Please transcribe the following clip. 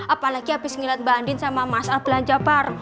apalagi abis ngeliat banding sama mas al belanja bar